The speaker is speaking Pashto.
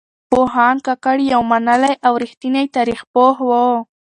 پوهاند کاکړ يو منلی او رښتينی تاريخ پوه و.